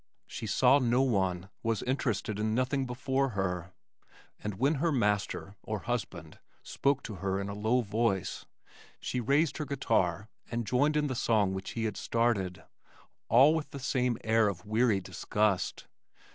She saw no one, was interested in nothing before her and when her master, or husband, spoke to her in a low voice, she raised her guitar and joined in the song which he had started, all with the same air of weary disgust.